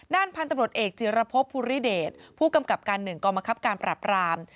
ด้านพันธบรตเอกจิรพพภูริเดชผู้กำกับการหนึ่งกรมกรับการปรับราม